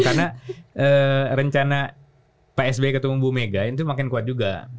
karena rencana psb ketemu bumega itu makin kuat juga